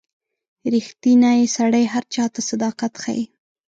• ریښتینی سړی هر چاته صداقت ښيي.